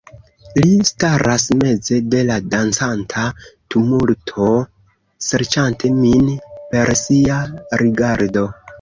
Li staras meze de la dancanta tumulto, serĉante min per sia rigardo..